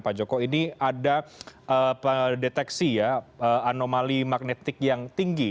pak joko ini ada deteksi ya anomali magnetik yang tinggi